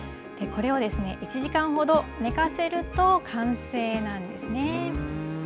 これを１時間ほど寝かせると完成なんですね。